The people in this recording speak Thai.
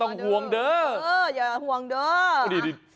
ข้อมูลของคุณคือคุณอาทิตย์